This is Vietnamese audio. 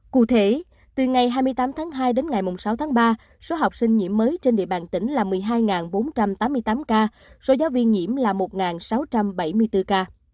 cụ thể từ ngày hai mươi tám tháng hai đến ngày sáu tháng ba số học sinh nhiễm mới trên địa bàn tỉnh là một mươi hai bốn trăm tám mươi tám ca số giáo viên nhiễm là một sáu trăm bảy mươi bốn ca